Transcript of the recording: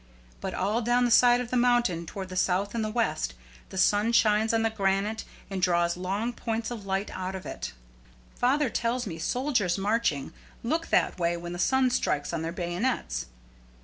But all down the side of the mountain, toward the south and the west, the sun shines on the granite and draws long points of light out of it. Father tells me soldiers marching look that way when the sun strikes on their bayonets.